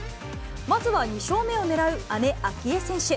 まずは２勝目をねらう姉、明愛選手。